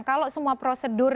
kalau semua prosedur